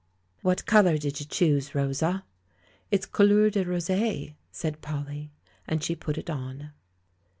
"What colour did you choose, Rosa?" "It's couleur de roseT said Polly. And she put it on.